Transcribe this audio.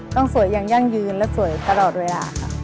ต้องสวยอย่างยั่งยืนและสวยตลอดเวลาค่ะ